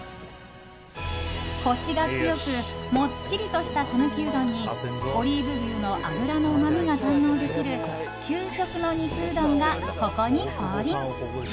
コシが強くもっちりとした讃岐うどんにオリーブ牛の脂のうまみが堪能できる究極の肉うどんがここに降臨。